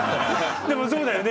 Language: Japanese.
でも、そうだよね。